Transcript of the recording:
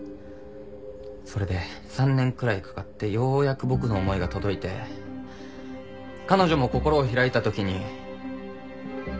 それで３年くらいかかってようやく僕の思いが届いて彼女も心を開いた時に。